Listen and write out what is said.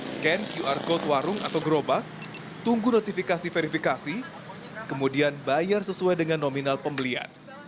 scan qr code warung atau gerobak tunggu notifikasi verifikasi kemudian bayar sesuai dengan nominal pembelian